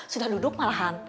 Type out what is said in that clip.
sudah duduk malahan